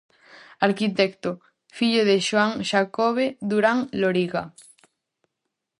Arquitecto, fillo de Xoán Xacobe Durán Loriga.